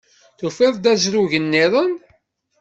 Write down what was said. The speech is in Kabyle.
Tufiḍ-d azrug-nniḍen?